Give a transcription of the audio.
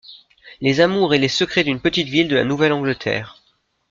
Les amours et les secrets d'une petite ville de la Nouvelle-Angleterre.